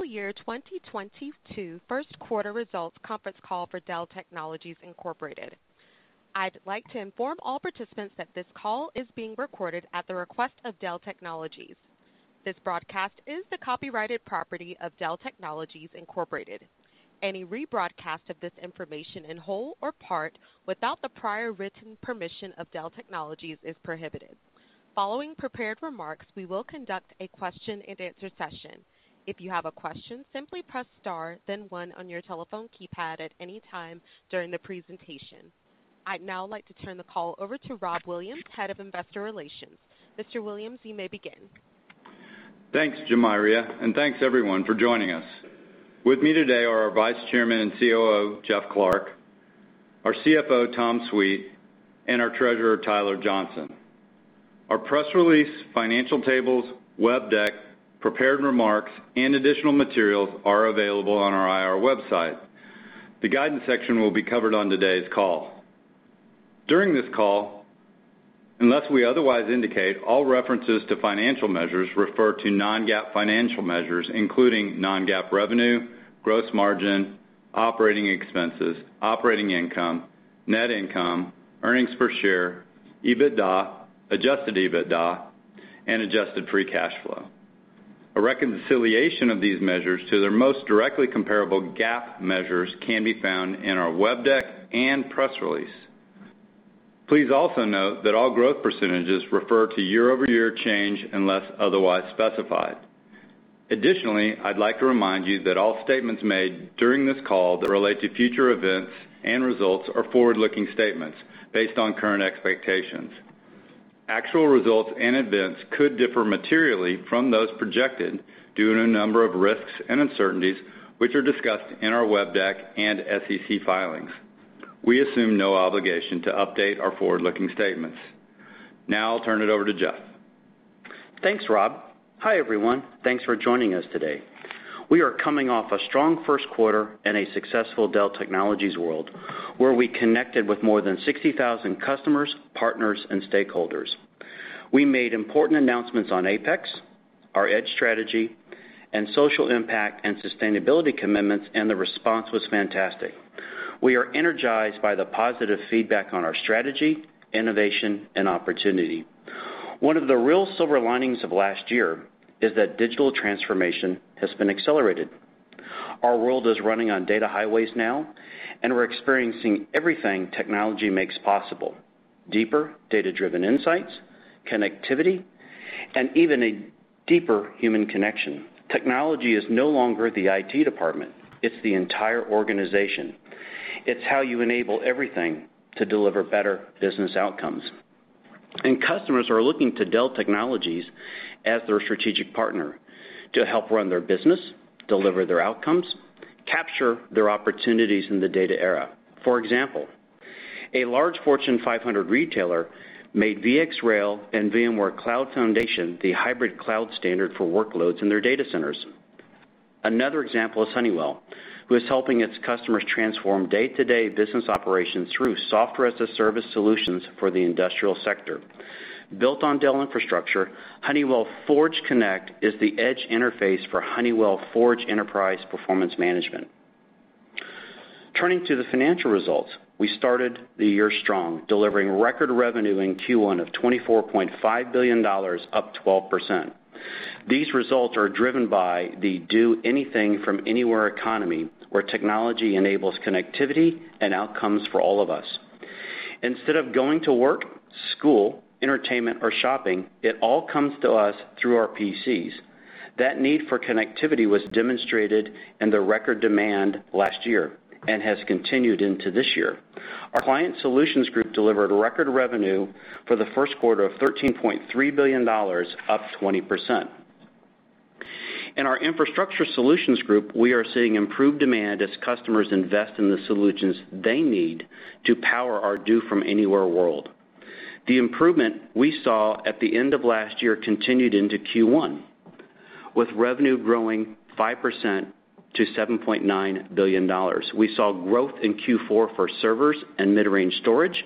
Fiscal year 2022 Q1 results conference call for Dell Technologies Inc. I'd like to inform all participants that this call is being recorded at the request of Dell Technologies. This broadcast is the copyrighted property of Dell Technologies Inc. Any rebroadcast of this information in whole or part, without the prior written permission of Dell Technologies, is prohibited. Following prepared remarks, we will conduct a question and answer session. If you have a question, simply press star then one on your telephone keypad at any time during the presentation. I'd now like to turn the call over to Rob Williams, Head of Investor Relations. Mr. Williams, you may begin. Thanks, Jermiria, thanks everyone for joining us. With me today are our Vice Chairman and COO, Jeff Clarke, our CFO, Tom Sweet, and our Treasurer, Tyler Johnson. Our press release, financial tables, web deck, prepared remarks, and additional materials are available on our IR website. The guidance section will be covered on today's call. During this call, unless we otherwise indicate, all references to financial measures refer to non-GAAP financial measures, including non-GAAP revenue, gross margin, operating expenses, operating income, net income, earnings per share, EBITDA, adjusted EBITDA, and adjusted free cash flow. A reconciliation of these measures to their most directly comparable GAAP measures can be found in our web deck and press release. Please also note that all growth percentages refer to year-over-year change unless otherwise specified. Additionally, I'd like to remind you that all statements made during this call that relate to future events and results are forward-looking statements based on current expectations. Actual results and events could differ materially from those projected due to a number of risks and uncertainties, which are discussed in our web deck and SEC filings. We assume no obligation to update our forward-looking statements. Now I'll turn it over to Jeff. Thanks, Rob. Hi, everyone. Thanks for joining us today. We are coming off a strong Q1 and a successful Dell Technologies World, where we connected with more than 60,000 customers, partners, and stakeholders. We made important announcements on APEX, our Edge strategy, and social impact and sustainability commitments, and the response was fantastic. We are energized by the positive feedback on our strategy, innovation, and opportunity. One of the real silver linings of last year is that digital transformation has been accelerated. Our world is running on data highways now, and we're experiencing everything technology makes possible, deeper data-driven insights, connectivity, and even a deeper human connection. Technology is no longer the IT department, it's the entire organization. It's how you enable everything to deliver better business outcomes. Customers are looking to Dell Technologies as their strategic partner to help run their business, deliver their outcomes, capture their opportunities in the data era. For example, a large Fortune 500 retailer made VxRail and VMware Cloud Foundation the hybrid cloud standard for workloads in their data centers. Another example is Honeywell, who is helping its customers transform day-to-day business operations through software-as-a-service solutions for the industrial sector. Built on Dell infrastructure, Honeywell Forge Connect is the edge interface for Honeywell Forge Enterprise Performance Management. Turning to the financial results, we started the year strong, delivering record revenue in Q1 of $24.5 billion, up 12%. These results are driven by the do anything from anywhere economy, where technology enables connectivity and outcomes for all of us. Instead of going to work, school, entertainment, or shopping, it all comes to us through our PCs. That need for connectivity was demonstrated in the record demand last year and has continued into this year. Our Client Solutions Group delivered record revenue for the Q1 of $13.3 billion, up 20%. In our Infrastructure Solutions Group, we are seeing improved demand as customers invest in the solutions they need to power our do-from-anywhere world. The improvement we saw at the end of last year continued into Q1, with revenue growing 5% to $7.9 billion. We saw growth in Q4 for servers and mid-range storage,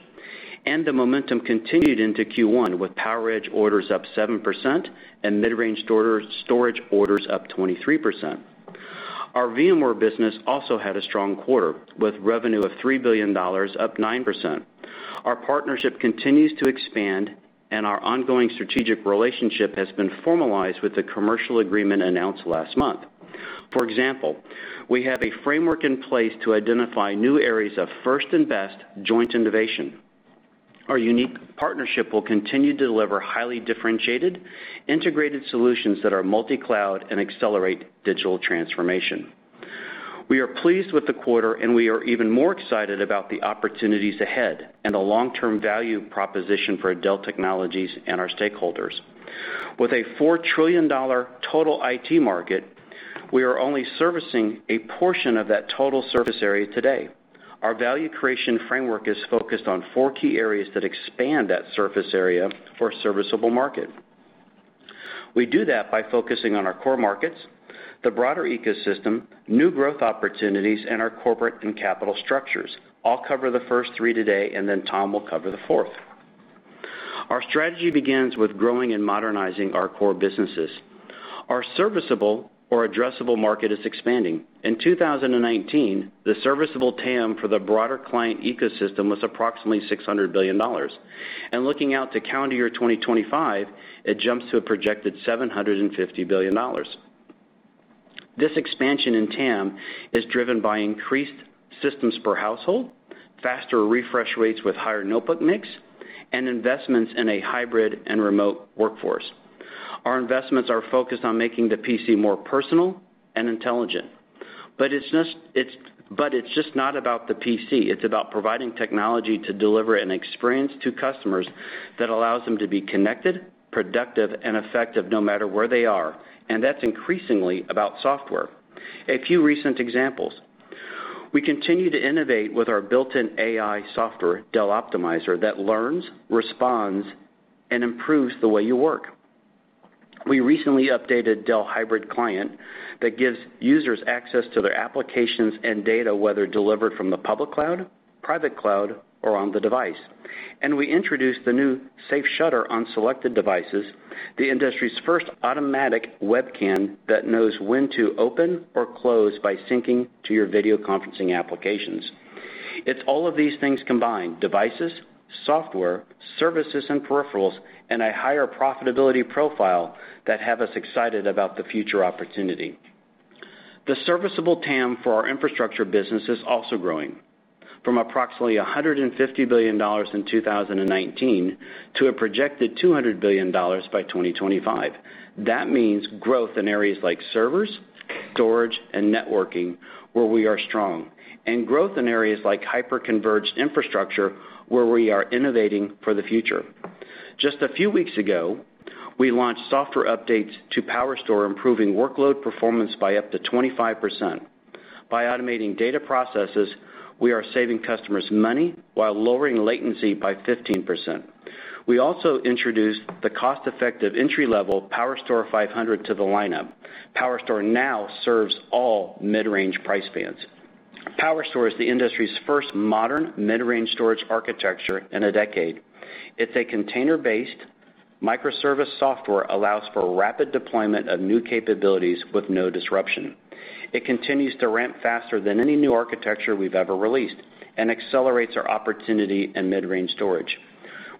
and the momentum continued into Q1 with PowerEdge orders up 7% and mid-range storage orders up 23%. Our VMware business also had a strong quarter, with revenue of $3 billion, up 9%. Our partnership continues to expand, and our ongoing strategic relationship has been formalized with the commercial agreement announced last month. For example, we have a framework in place to identify new areas of first and best joint innovation. Our unique partnership will continue to deliver highly differentiated, integrated solutions that are multi-cloud and accelerate digital transformation. We are pleased with the quarter. We are even more excited about the opportunities ahead and the long-term value proposition for Dell Technologies and our stakeholders. With a $4 trillion total IT market, we are only servicing a portion of that total surface area today. Our value creation framework is focused on four key areas that expand that surface area for serviceable market. We do that by focusing on our core markets, the broader ecosystem, new growth opportunities, and our corporate and capital structures. I'll cover the first three today. Then Tom will cover the fourth. Our strategy begins with growing and modernizing our core businesses. Our serviceable or addressable market is expanding. In 2019, the serviceable TAM for the broader client ecosystem was approximately $600 billion. Looking out to calendar year 2025, it jumps to a projected $750 billion. This expansion in TAM is driven by increased systems per household, faster refresh rates with higher notebook mix, and investments in a hybrid and remote workforce. Our investments are focused on making the PC more personal and intelligent, but it's just not about the PC. It's about providing technology to deliver an experience to customers that allows them to be connected, productive, and effective no matter where they are, and that's increasingly about software. A few recent examples. We continue to innovate with our built-in AI software, Dell Optimizer, that learns, responds, and improves the way you work. We recently updated Dell Hybrid Client that gives users access to their applications and data, whether delivered from the public cloud, private cloud, or on the device. We introduced the new SafeShutter on selected devices, the industry's first automatic webcam that knows when to open or close by syncing to your video conferencing applications. It's all of these things combined, devices, software, services, and peripherals, and a higher profitability profile that have us excited about the future opportunity. The serviceable TAM for our infrastructure business is also growing, from approximately $150 billion in 2019 to a projected $200 billion by 2025. That means growth in areas like servers, storage, and networking, where we are strong. Growth in areas like hyper-converged infrastructure, where we are innovating for the future. Just a few weeks ago, we launched software updates to PowerStore, improving workload performance by up to 25%. By automating data processes, we are saving customers money while lowering latency by 15%. We also introduced the cost-effective entry-level PowerStore 500 to the lineup. PowerStore now serves all mid-range price bands. PowerStore is the industry's first modern mid-range storage architecture in a decade. It's a container-based microservice software allows for rapid deployment of new capabilities with no disruption. It continues to ramp faster than any new architecture we've ever released and accelerates our opportunity in mid-range storage.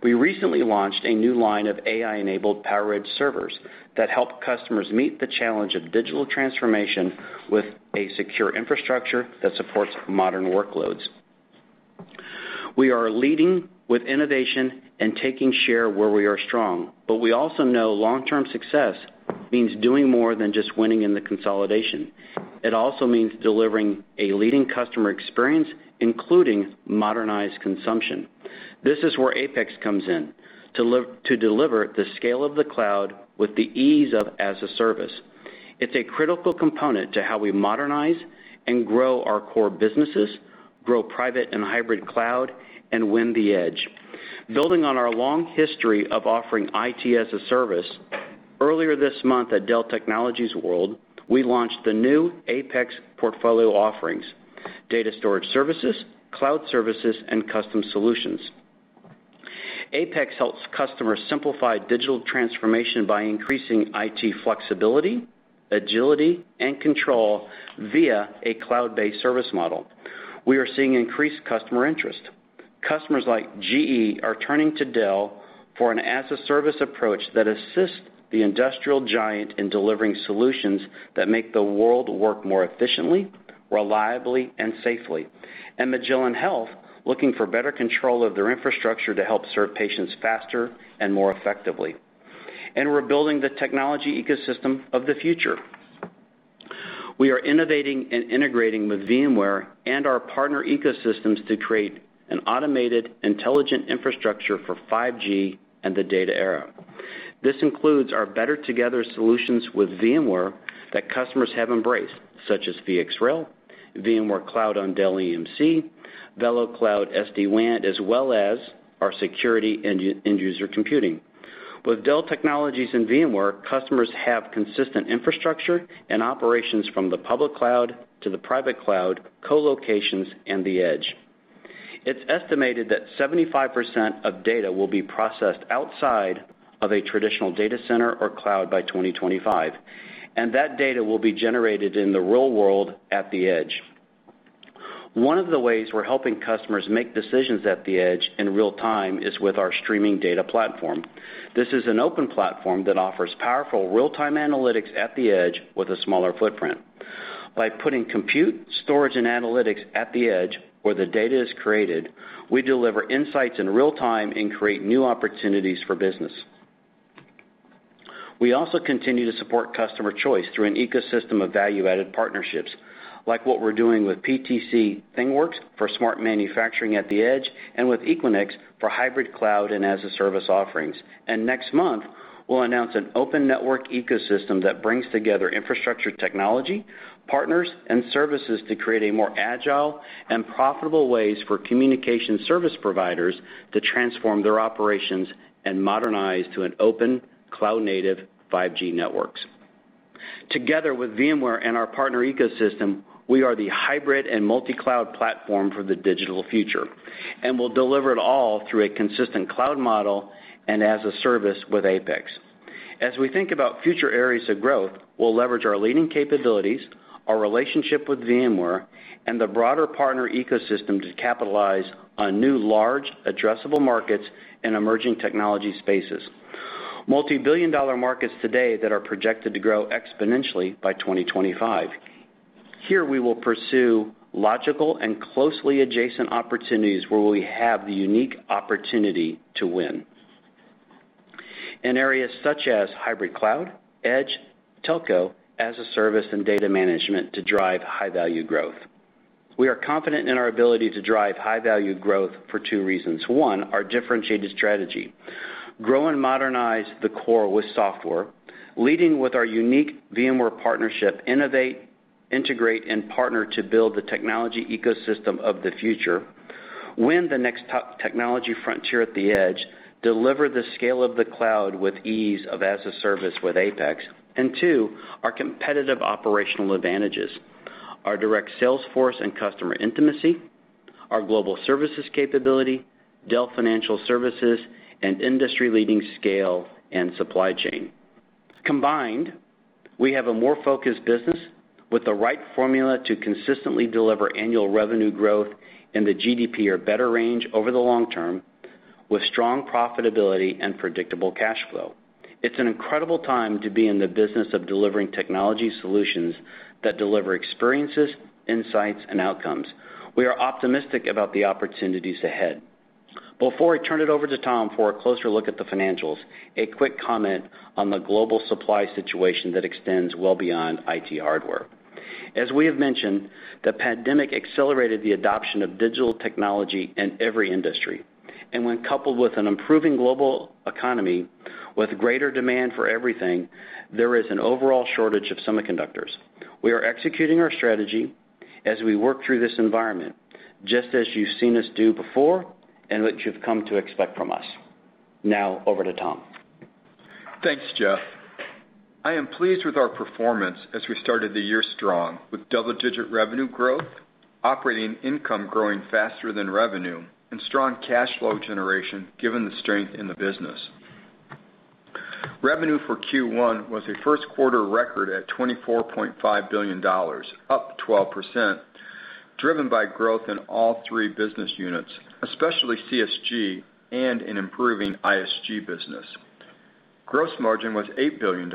We recently launched a new line of AI-enabled PowerEdge servers that help customers meet the challenge of digital transformation with a secure infrastructure that supports modern workloads. We are leading with innovation and taking share where we are strong, we also know long-term success means doing more than just winning in the consolidation. It also means delivering a leading customer experience, including modernized consumption. This is where APEX comes in. To deliver the scale of the cloud with the ease of as-a-service. It's a critical component to how we modernize and grow our core businesses, grow private and hybrid cloud, and win the edge. Building on our long history of offering IT as a service, earlier this month at Dell Technologies World, we launched the new APEX portfolio offerings, data storage services, cloud services, and custom solutions. APEX helps customers simplify digital transformation by increasing IT flexibility, agility, and control via a cloud-based service model. We are seeing increased customer interest. Customers like GE are turning to Dell for an as-a-service approach that assists the industrial giant in delivering solutions that make the world work more efficiently, reliably, and safely. Magellan Health, looking for better control of their infrastructure to help serve patients faster and more effectively. We're building the technology ecosystem of the future. We are innovating and integrating with VMware and our partner ecosystems to create an automated, intelligent infrastructure for 5G and the data era. This includes our better together solutions with VMware that customers have embraced, such as VxRail, VMware Cloud on Dell EMC, VeloCloud SD-WAN, as well as our security and end-user computing. With Dell Technologies and VMware, customers have consistent infrastructure and operations from the public cloud to the private cloud, co-locations, and the edge. It's estimated that 75% of data will be processed outside of a traditional data center or cloud by 2025, and that data will be generated in the real world at the edge. One of the ways we're helping customers make decisions at the edge in real-time is with our streaming data platform. This is an open platform that offers powerful real-time analytics at the edge with a smaller footprint. By putting compute, storage, and analytics at the edge where the data is created, we deliver insights in real-time and create new opportunities for business. We also continue to support customer choice through an ecosystem of value-added partnerships, like what we're doing with PTC ThingWorx for smart manufacturing at the edge and with Equinix for hybrid cloud and as-a-service offerings. Next month, we'll announce an open network ecosystem that brings together infrastructure technology, partners, and services to create a more agile and profitable ways for communication service providers to transform their operations and modernize to an open cloud-native 5G networks. Together with VMware and our partner ecosystem, we are the hybrid and multi-cloud platform for the digital future. We'll deliver it all through a consistent cloud model and as a service with APEX. As we think about future areas of growth, we'll leverage our leading capabilities, our relationship with VMware, and the broader partner ecosystem to capitalize on new, large addressable markets and emerging technology spaces. Multibillion-dollar markets today that are projected to grow exponentially by 2025. Here, we will pursue logical and closely adjacent opportunities where we have the unique opportunity to win. In areas such as hybrid cloud, edge, telco, as-a-service, and data management to drive high-value growth. We are confident in our ability to drive high-value growth for two reasons. One, our differentiated strategy. Grow and modernize the core with software, leading with our unique VMware partnership, innovate, integrate, and partner to build the technology ecosystem of the future. Win the next technology frontier at the edge. Deliver the scale of the cloud with ease of as-a-service with APEX. Two, our competitive operational advantages. Our direct sales force and customer intimacy, our global services capability, Dell Financial Services, and industry-leading scale and supply chain. Combined, we have a more focused business with the right formula to consistently deliver annual revenue growth in the GDP or better range over the long term, with strong profitability and predictable cash flow. It's an incredible time to be in the business of delivering technology solutions that deliver experiences, insights, and outcomes. We are optimistic about the opportunities ahead. Before I turn it over to Tom for a closer look at the financials, a quick comment on the global supply situation that extends well beyond IT hardware. As we have mentioned, the pandemic accelerated the adoption of digital technology in every industry. When coupled with an improving global economy with greater demand for everything, there is an overall shortage of semiconductors. We are executing our strategy as we work through this environment, just as you've seen us do before and that you've come to expect from us. Over to Tom. Thanks, Jeff. I am pleased with our performance as we started the year strong with double-digit revenue growth, operating income growing faster than revenue, and strong cash flow generation given the strength in the business. Revenue for Q1 was a Q1 record at $24.5 billion, up 12%, driven by growth in all three business units, especially CSG and an improving ISG business. Gross margin was $8 billion,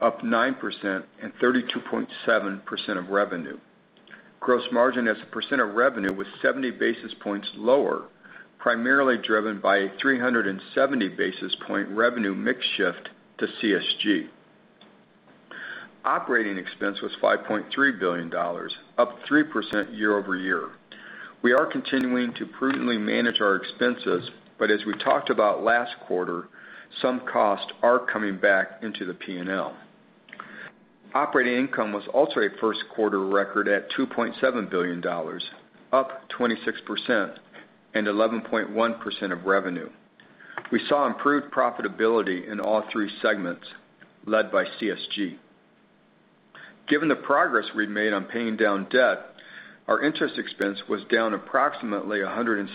up 9% and 32.7% of revenue. Gross margin as a percent of revenue was 70 basis points lower, primarily driven by a 370 basis point revenue mix shift to CSG. Operating expense was $5.3 billion, up 3% year-over-year. As we talked about last quarter, some costs are coming back into the P&L. Operating income was also a Q1 record at $2.7 billion, up 26% and 11.1% of revenue. We saw improved profitability in all three segments, led by CSG. Given the progress we've made on paying down debt, our interest expense was down approximately $162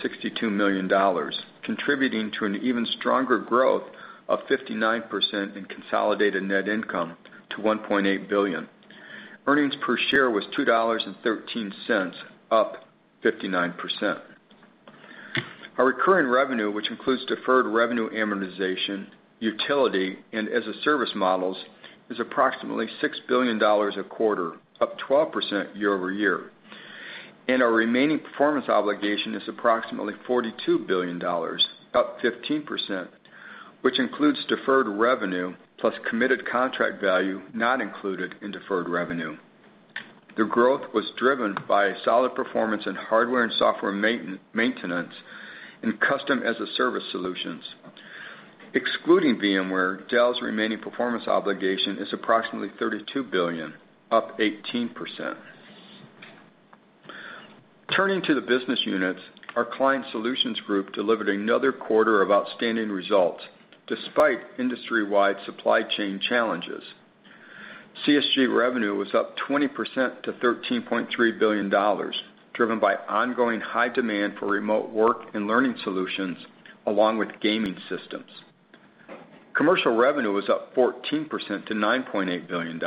million, contributing to an even stronger growth of 59% in consolidated net income to $1.8 billion. Earnings per share was $2.13, up 59%. Our recurring revenue, which includes deferred revenue amortization, utility, and as-a-service models, is approximately $6 billion a quarter, up 12% year-over-year. Our remaining performance obligation is approximately $42 billion, up 15%, which includes deferred revenue plus committed contract value not included in deferred revenue. The growth was driven by a solid performance in hardware and software maintenance and custom as-a-service solutions. Excluding VMware, Dell's remaining performance obligation is approximately $32 billion, up 18%. Turning to the business units, our Client Solutions Group delivered another quarter of outstanding results despite industry-wide supply chain challenges. CSG revenue was up 20% to $13.3 billion, driven by ongoing high demand for remote work and learning solutions, along with gaming systems. Commercial revenue was up 14% to $9.8 billion.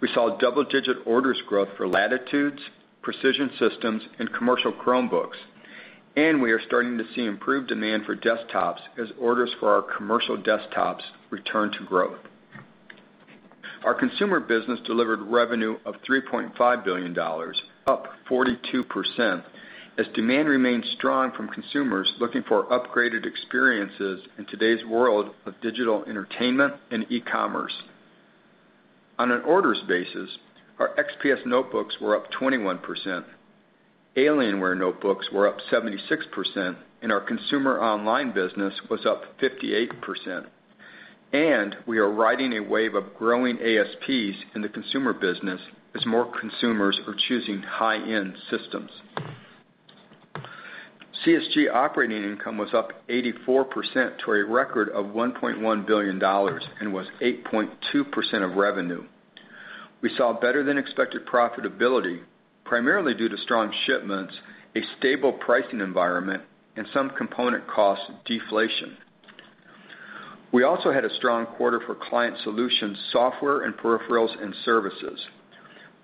We saw double-digit orders growth for Latitude, Precision systems, and commercial Chromebooks, we are starting to see improved demand for desktops as orders for our commercial desktops return to growth. Our consumer business delivered revenue of $3.5 billion, up 42%, as demand remains strong from consumers looking for upgraded experiences in today's world of digital entertainment and e-commerce. On an orders basis, our XPS notebooks were up 21%, Alienware notebooks were up 76%, our consumer online business was up 58%. We are riding a wave of growing ASPs in the consumer business as more consumers are choosing high-end systems. CSG operating income was up 84% to a record of $1.1 billion and was 8.2% of revenue. We saw better than expected profitability, primarily due to strong shipments, a stable pricing environment, and some component cost deflation. We also had a strong quarter for client solutions software and peripherals and services.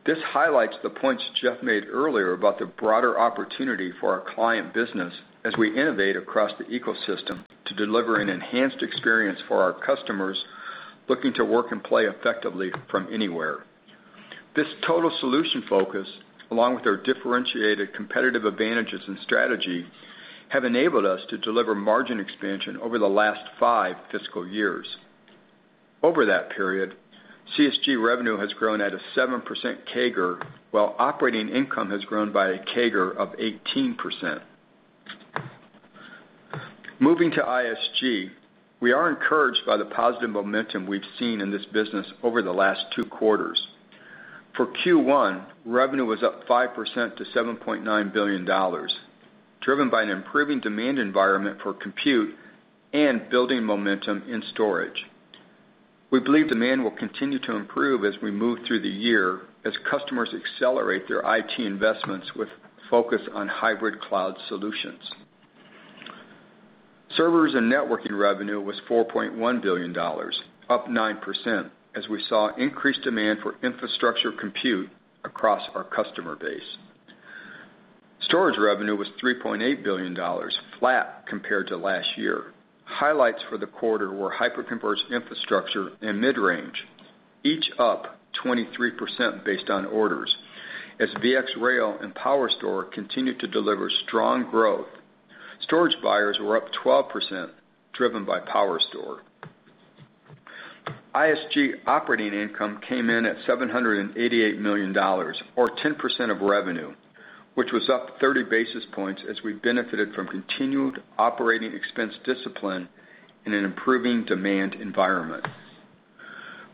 This highlights the points Jeff made earlier about the broader opportunity for our client business as we innovate across the ecosystem to deliver an enhanced experience for our customers looking to work and play effectively from anywhere. This total solution focus, along with our differentiated competitive advantages and strategy, have enabled us to deliver margin expansion over the last five fiscal years. Over that period, CSG revenue has grown at a 7% CAGR, while operating income has grown by a CAGR of 18%. Moving to ISG, we are encouraged by the positive momentum we've seen in this business over the last two quarters. For Q1, revenue was up 5% to $7.9 billion, driven by an improving demand environment for compute and building momentum in storage. We believe demand will continue to improve as we move through the year as customers accelerate their IT investments with a focus on hybrid cloud solutions. Servers and networking revenue was $4.1 billion, up 9%, as we saw increased demand for infrastructure compute across our customer base. Storage revenue was $3.8 billion, flat compared to last year. Highlights for the quarter were hyperconverged infrastructure and mid-range, each up 23% based on orders as VxRail and PowerStore continued to deliver strong growth. Storage buyers were up 12%, driven by PowerStore. ISG operating income came in at $788 million or 10% of revenue, which was up 30 basis points as we benefited from continued operating expense discipline in an improving demand environment.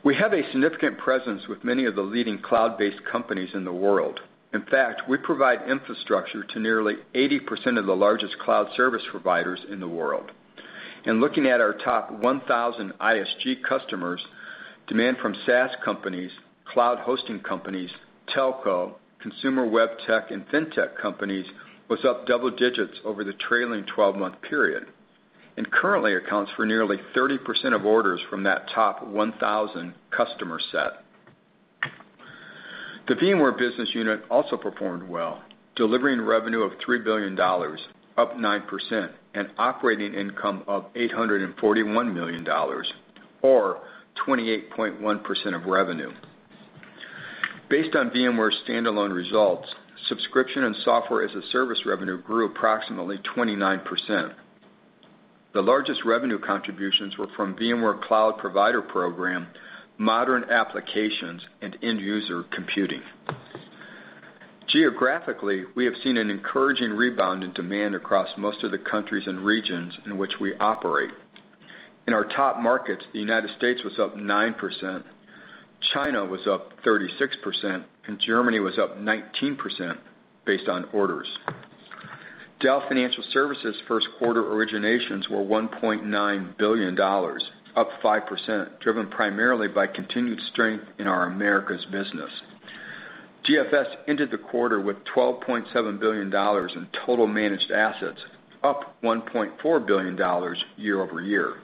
We have a significant presence with many of the leading cloud-based companies in the world. In fact, we provide infrastructure to nearly 80% of the largest cloud service providers in the world. Looking at our top 1,000 ISG customers, demand from SaaS companies, cloud hosting companies, telco, consumer web tech, and fintech companies was up double digits over the trailing 12-month period and currently accounts for nearly 30% of orders from that top 1,000 customer set. The VMware business unit also performed well, delivering revenue of $3 billion, up 9%, and operating income of $841 million, or 28.1% of revenue. Based on VMware standalone results, subscription and software-as-a-service revenue grew approximately 29%. The largest revenue contributions were from VMware Cloud Provider Program, modern applications, and end-user computing. Geographically, we have seen an encouraging rebound in demand across most of the countries and regions in which we operate. In our top markets, the U.S. was up 9%, China was up 36%, and Germany was up 19% based on orders. Dell Financial Services Q1 originations were $1.9 billion, up 5%, driven primarily by continued strength in our Americas business. DFS entered the quarter with $12.7 billion in total managed assets, up $1.4 billion year-over-year.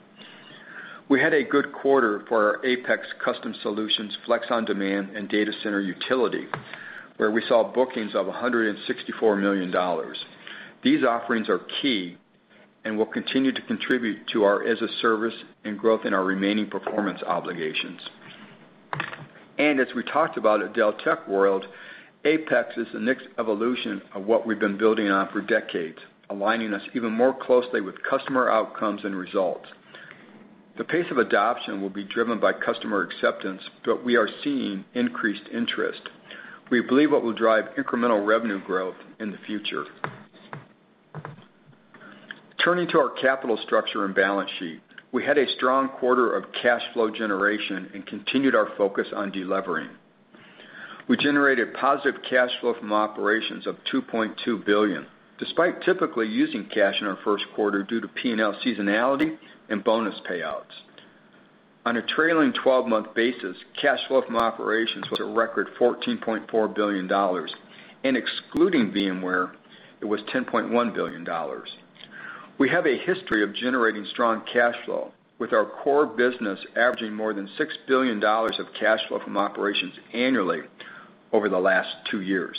We had a good quarter for our APEX Custom Solutions, Flex On Demand, and Data Center Utility, where we saw bookings of $164 million. These offerings are key and will continue to contribute to our as-a-service and growth in our remaining performance obligations. As we talked about at Dell Tech World, APEX is the next evolution of what we've been building on for decades, aligning us even more closely with customer outcomes and results. The pace of adoption will be driven by customer acceptance, but we are seeing increased interest. We believe it will drive incremental revenue growth in the future. Turning to our capital structure and balance sheet, we had a strong quarter of cash flow generation and continued our focus on delevering. We generated positive cash flow from operations of $2.2 billion, despite typically using cash in our Q1 due to P&L seasonality and bonus payouts. On a trailing 12-month basis, cash flow from operations was a record $14.4 billion, and excluding VMware, it was $10.1 billion. We have a history of generating strong cash flow, with our core business averaging more than $6 billion of cash flow from operations annually over the last two years.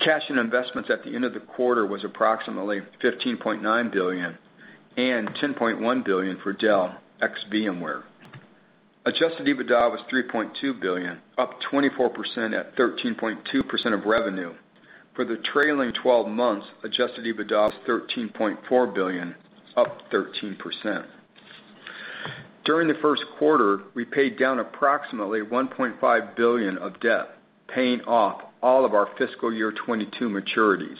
Cash in investments at the end of the quarter was approximately $15.9 billion and $10.1 billion for Dell ex VMware. Adjusted EBITDA was $3.2 billion, up 24% at 13.2% of revenue. For the trailing 12 months, adjusted EBITDA was $13.4 billion, up 13%. During the Q1, we paid down approximately $1.5 billion of debt, paying off all of our fiscal year 2022 maturities.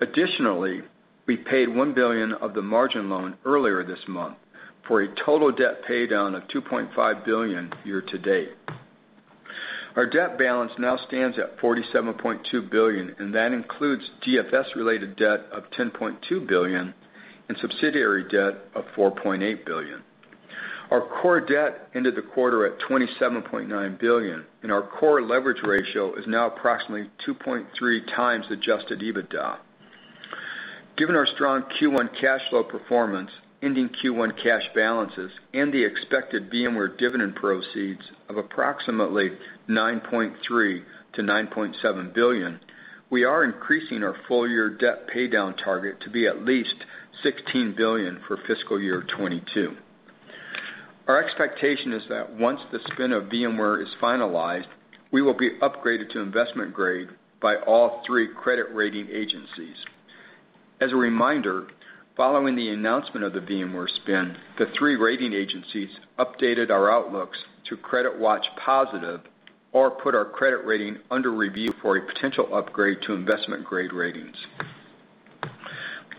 Additionally, we paid $1 billion of the margin loan earlier this month for a total debt paydown of $2.5 billion year to date. Our debt balance now stands at $47.2 billion, and that includes DFS-related debt of $10.2 billion and subsidiary debt of $4.8 billion. Our core debt ended the quarter at $27.9 billion, and our core leverage ratio is now approximately 2.3 times adjusted EBITDA. Given our strong Q1 cash flow performance, ending Q1 cash balances, and the expected VMware dividend proceeds of approximately $9.3 billion-$9.7 billion, we are increasing our full-year debt paydown target to be at least $16 billion for fiscal year 2022. Our expectation is that once the spin of VMware is finalized, we will be upgraded to investment grade by all three credit rating agencies. As a reminder, following the announcement of the VMware spin, the three rating agencies updated our outlooks to CreditWatch Positive or put our credit rating under review for a potential upgrade to investment-grade ratings.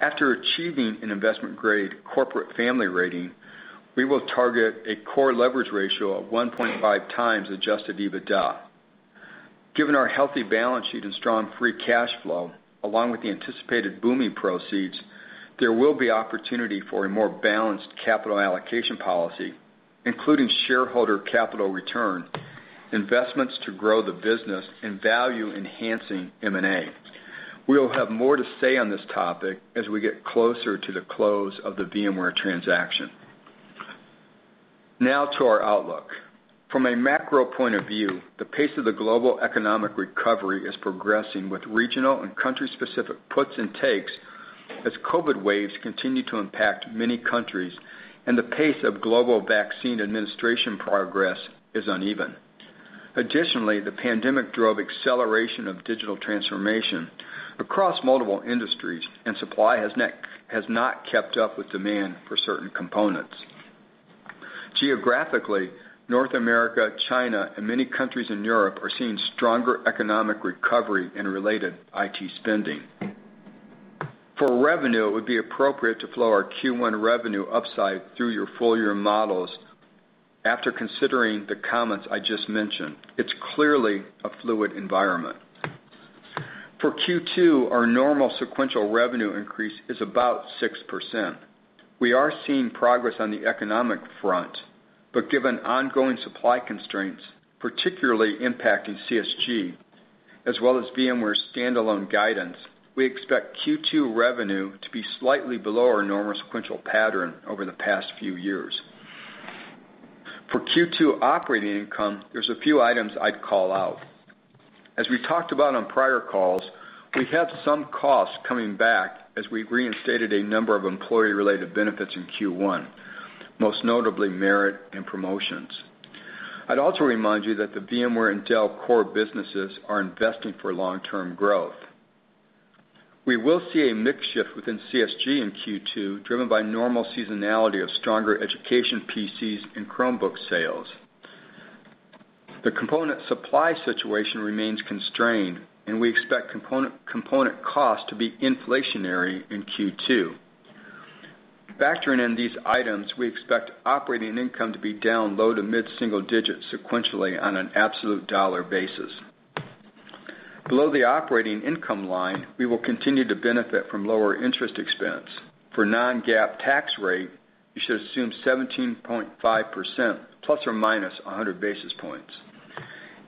After achieving an investment-grade corporate family rating, we will target a core leverage ratio of 1.5 times adjusted EBITDA. Given our healthy balance sheet and strong free cash flow, along with the anticipated Boomi proceeds, there will be opportunity for a more balanced capital allocation policy, including shareholder capital return, investments to grow the business, and value-enhancing M&A. We will have more to say on this topic as we get closer to the close of the VMware transaction. Now to our outlook. From a macro point of view, the pace of the global economic recovery is progressing with regional and country-specific puts and takes as COVID waves continue to impact many countries and the pace of global vaccine administration progress is uneven. Additionally, the pandemic drove acceleration of digital transformation across multiple industries, and supply has not kept up with demand for certain components. Geographically, North America, China, and many countries in Europe are seeing stronger economic recovery and related IT spending. For revenue, it would be appropriate to flow our Q1 revenue upside through your full-year models after considering the comments I just mentioned. It's clearly a fluid environment. For Q2, our normal sequential revenue increase is about 6%. We are seeing progress on the economic front, but given ongoing supply constraints, particularly impacting CSG, as well as VMware's standalone guidance, we expect Q2 revenue to be slightly below our normal sequential pattern over the past few years. For Q2 operating income, there's a few items I'd call out. As we talked about on prior calls, we have some costs coming back as we reinstated a number of employee-related benefits in Q1, most notably merit and promotions. I'd also remind you that the VMware and Dell core businesses are investing for long-term growth. We will see a mix shift within CSG in Q2, driven by normal seasonality of stronger education PCs and Chromebook sales. The component supply situation remains constrained. We expect component cost to be inflationary in Q2. Factoring in these items, we expect operating income to be down low to mid-single digits sequentially on an absolute dollar basis. Below the operating income line, we will continue to benefit from lower interest expense. For non-GAAP tax rate, you should assume 17.5% ±100 basis points.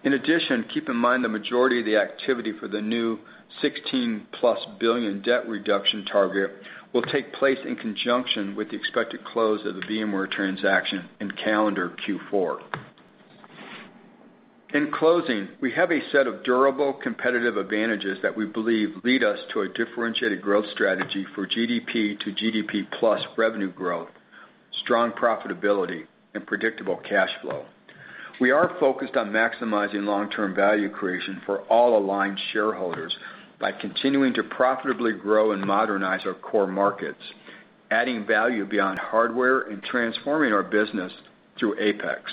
In addition, keep in mind the majority of the activity for the new $16-plus billion debt reduction target will take place in conjunction with the expected close of the VMware transaction in calendar Q4. In closing, we have a set of durable competitive advantages that we believe lead us to a differentiated growth strategy for GDP to GDP-plus revenue growth, strong profitability, and predictable cash flow. We are focused on maximizing long-term value creation for all aligned shareholders by continuing to profitably grow and modernize our core markets, adding value beyond hardware, and transforming our business through APEX.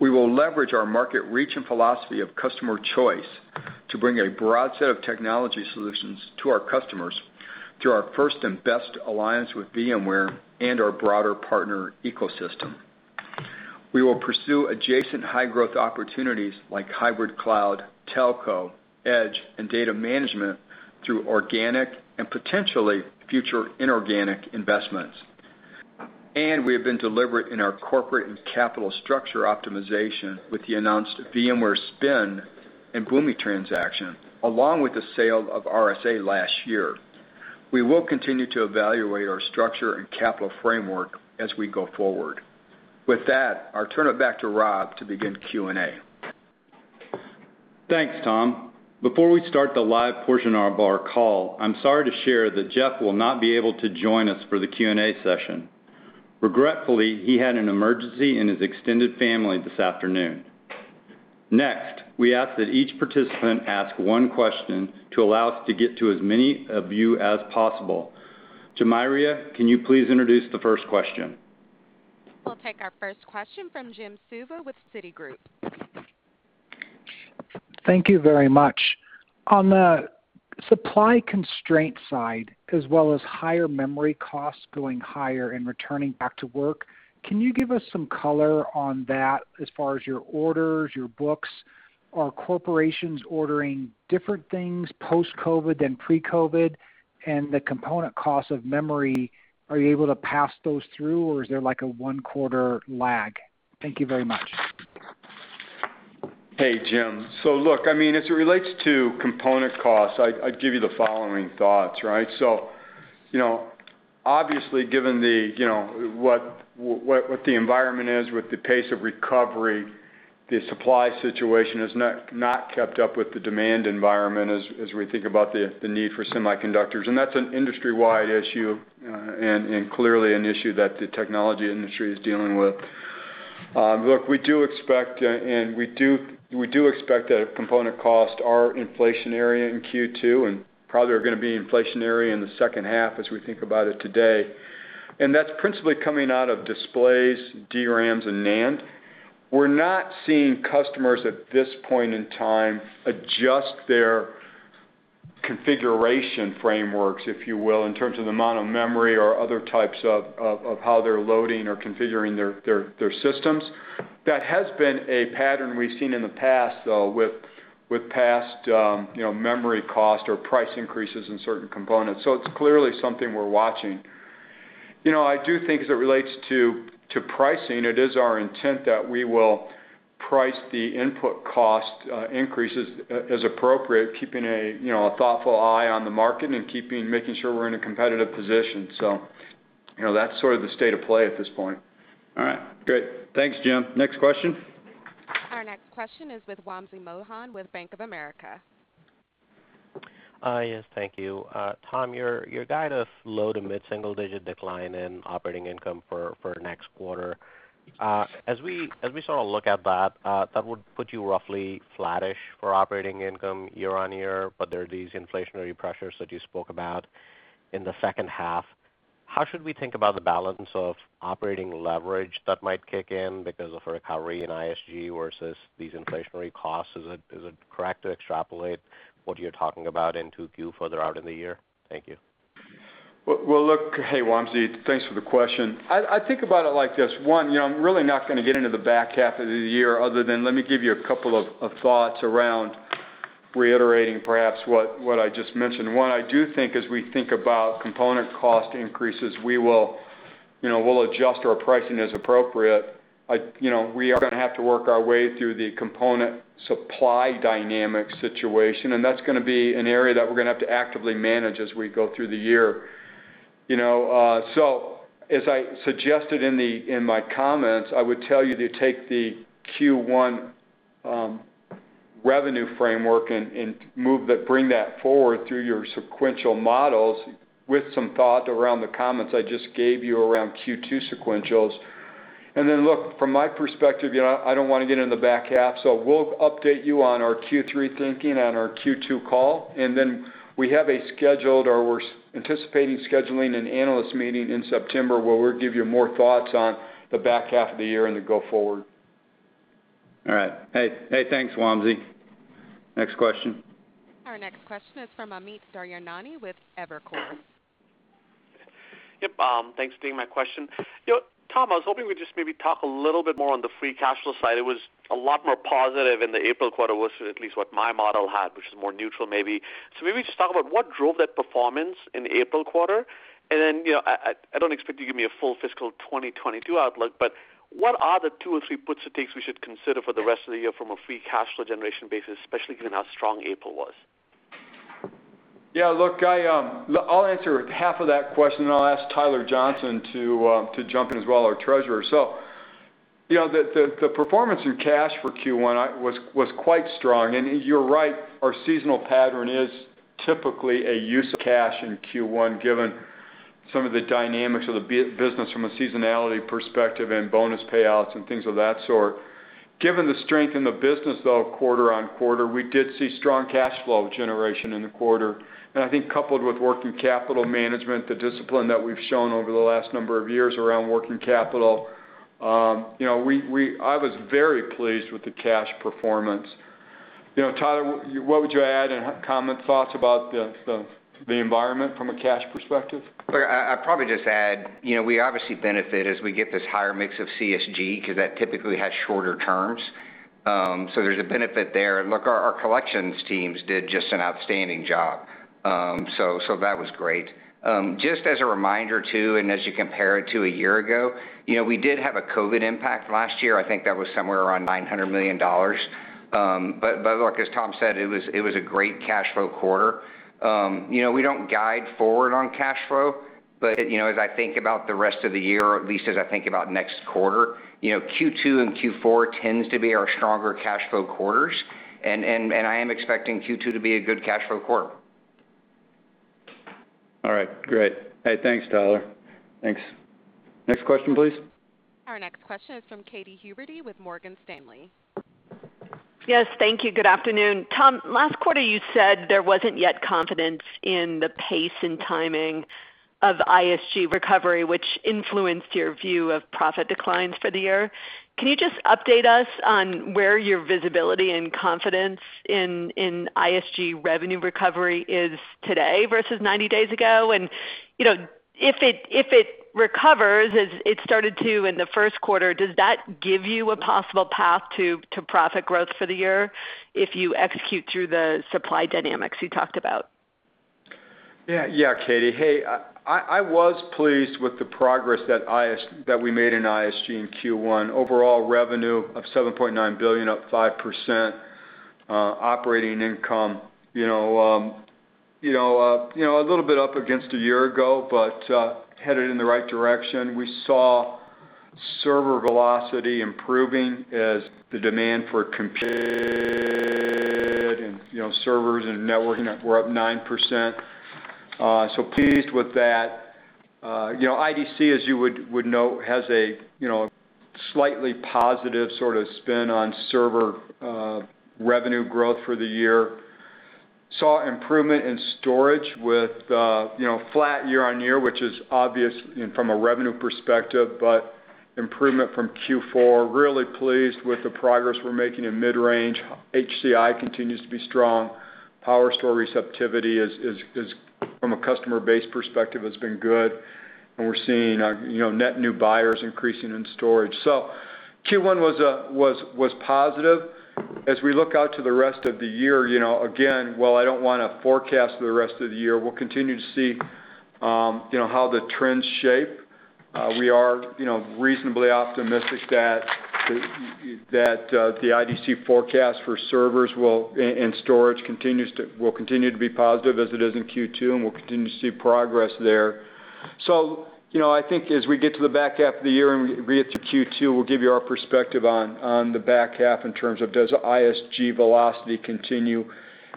We will leverage our market reach and philosophy of customer choice to bring a broad set of technology solutions to our customers through our first and best alliance with VMware and our broader partner ecosystem. We will pursue adjacent high-growth opportunities like hybrid cloud, telco, edge, and data management through organic and potentially future inorganic investments. We have been deliberate in our corporate and capital structure optimization with the announced VMware spin and Boomi transaction, along with the sale of RSA last year. We will continue to evaluate our structure and capital framework as we go forward. With that, I'll turn it back to Rob to begin Q&A. Thanks, Tom. Before we start the live portion of our call, I'm sorry to share that Jeff will not be able to join us for the Q&A session. Regretfully, he had an emergency in his extended family this afternoon. Next, we ask that each participant ask one question to allow us to get to as many of you as possible. Jermiria, can you please introduce the first question? We'll take our first question from Jim Suva with Citigroup. Thank you very much. On the supply constraint side, as well as higher memory costs going higher and returning back to work, can you give us some color on that as far as your orders, your books? Are corporations ordering different things post-COVID than pre-COVID? The component cost of memory, are you able to pass those through, or is there like a one-quarter lag? Thank you very much. Hey, Jim. Look, as it relates to component costs, I'd give you the following thoughts. Obviously given what the environment is with the pace of recovery, the supply situation has not kept up with the demand environment as we think about the need for semiconductors. That's an industry-wide issue, and clearly an issue that the technology industry is dealing with. Look, we do expect that component costs are inflationary in Q2 and probably are going to be inflationary in the second half as we think about it today, and that's principally coming out of displays, DRAMs, and NAND. We're not seeing customers at this point in time adjust their configuration frameworks, if you will, in terms of the amount of memory or other types of how they're loading or configuring their systems. That has been a pattern we've seen in the past, though, with past memory cost or price increases in certain components. It's clearly something we're watching. I do think as it relates to pricing, it is our intent that we will price the input cost increases as appropriate, keeping a thoughtful eye on the market and making sure we're in a competitive position. That's sort of the state of play at this point. All right. Good. Thanks, Jim. Next question. Our next question is with Wamsi Mohan with Bank of America. Yes, thank you. Tom, your guidance low to mid-single digit decline in operating income for next quarter. As we look at that would put you roughly flattish for operating income year-on-year. There are these inflationary pressures that you spoke about in the second half. How should we think about the balance of operating leverage that might kick in because of recovery in ISG versus these inflationary costs? Is it correct to extrapolate what you're talking about in 2Q further out in the year? Thank you. Well, look, hey, Wamsi. Thanks for the question. I think about it like this. One, I'm really not going to get into the back half of the year other than let me give you a couple of thoughts around reiterating perhaps what I just mentioned. One, I do think as we think about component cost increases, we'll adjust our pricing as appropriate. We are going to have to work our way through the component supply dynamic situation, and that's going to be an area that we're going to have to actively manage as we go through the year. As I suggested in my comments, I would tell you to take the Q1 revenue framework and bring that forward through your sequential models with some thought around the comments I just gave you around Q2 sequentials. Look, from my perspective, I don't want to get in the back half. We'll update you on our Q3 thinking on our Q2 call. We have a scheduled, or we're anticipating scheduling an analyst meeting in September where we'll give you more thoughts on the back half of the year and the go forward. All right. Hey, thanks, Wamsi. Next question. Our next question is from Amit Daryanani with Evercore. Yep. Thanks for taking my question. Tom, I was hoping we'd just maybe talk a little bit more on the free cash flow side. It was a lot more positive in the April quarter versus at least what my model had, which is more neutral maybe. Maybe just talk about what drove that performance in the April quarter, and then I don't expect you to give me a full fiscal 2022 outlook, but what are the two or three puts and takes we should consider for the rest of the year from a free cash flow generation basis, especially given how strong April was? Yeah, look, I'll answer half of that question, then I'll ask Tyler Johnson to jump in as well, our treasurer. The performance through cash for Q1 was quite strong, and you're right, our seasonal pattern is typically a use of cash in Q1 given some of the dynamics of the business from a seasonality perspective and bonus payouts and things of that sort. Given the strength in the business, though, quarter-on-quarter, we did see strong cash flow generation in the quarter, and I think coupled with working capital management, the discipline that we've shown over the last number of years around working capital, I was very pleased with the cash performance. Tyler, what would you add in comment, thoughts about the environment from a cash perspective? I'd probably just add, we obviously benefit as we get this higher mix of CSG because that typically has shorter terms. There's a benefit there. Our collections teams did just an outstanding job. That was great. Just as a reminder, too, and as you compare it to a year ago, we did have a COVID impact last year. I think that was somewhere around $900 million. As Tom said, it was a great cash flow quarter. We don't guide forward on cash flow, but as I think about the rest of the year, at least as I think about next quarter, Q2 and Q4 tends to be our stronger cash flow quarters, and I am expecting Q2 to be a good cash flow quarter. All right, great. Hey, thanks, Tyler. Thanks. Next question, please. Our next question is from Katy Huberty with Morgan Stanley. Yes. Thank you. Good afternoon. Tom, last quarter you said there wasn't yet confidence in the pace and timing of ISG recovery, which influenced your view of profit declines for the year. Can you just update us on where your visibility and confidence in ISG revenue recovery is today versus 90 days ago? If it recovers as it started to in the Q1, does that give you a possible path to profit growth for the year if you execute through the supply dynamics you talked about? Yeah, Katy. Hey, I was pleased with the progress that we made in ISG in Q1. Overall revenue of $7.9 billion, up 5%. Operating income a little bit up against a year ago, but headed in the right direction. We saw server velocity improving as the demand for compute and servers and networking were up 9%. Pleased with that. IDC, as you would know, has a slightly positive sort of spin on server revenue growth for the year. Saw improvement in storage with flat year-on-year, which is obvious from a revenue perspective, but improvement from Q4. Really pleased with the progress we're making in mid-range. HCI continues to be strong. PowerStore receptivity is from a customer base perspective has been good, and we're seeing net new buyers increasing in storage. Q1 was positive. As we look out to the rest of the year, again, while I don't want to forecast for the rest of the year, we'll continue to see how the trends shape. We are reasonably optimistic that the IDC forecast for servers and storage will continue to be positive as it is in Q2, and we'll continue to see progress there. I think as we get to the back half of the year and we get to Q2, we'll give you our perspective on the back half in terms of does ISG velocity continue.